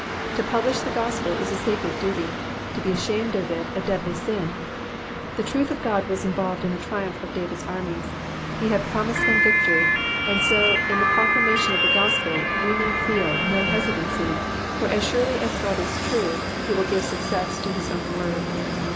To publish the gospel is a sacted duty, to be ashamed of it a deadly sin. The truth of God was involved in the triumph of David's armies, he had promised them victory ; and so in the proclamation of the gospel we need feel no hesitancy, for as surely as God is true he will give success to his own word.